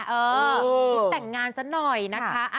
เออชุดแต่งงานสักหน่อยนะคะ